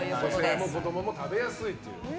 大人も子供も食べやすいという。